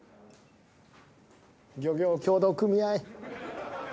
漁業協同組合。